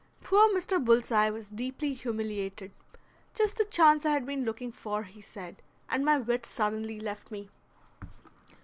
Poor Mr. Bull's Eye was deeply humiliated. "Just the chance I had been looking for," he said, "and my wits suddenly left me."